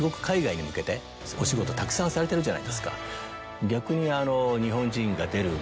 たくさんされてるじゃないですか。